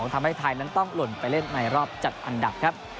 ทำให้ไทยนั้นต้องหล่นไปเล่นในรอบจัดอันดับครับ